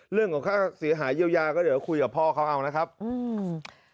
เรื่องของค่าเสียหายเยียวยาก็เดี๋ยวคุยกับพ่อเขาเอานะครับอืม